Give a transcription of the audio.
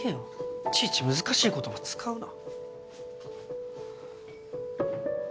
いちいち難しい言葉使うな。